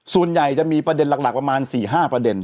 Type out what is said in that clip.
ส่วนใหญ่จะมีประเด็นหลักประมาณ๔๕ประเด็น